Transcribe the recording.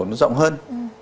nó rộng hơn